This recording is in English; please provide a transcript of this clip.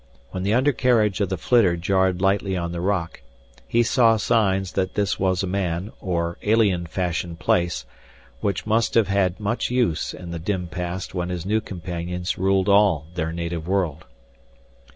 When the undercarriage of the flitter jarred lightly on the rock, he saw signs that this was a man or alien fashioned place which must have had much use in the dim past when his new companions ruled all their native world.